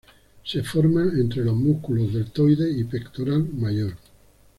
Se forma entre los músculos deltoides y pectoral mayor.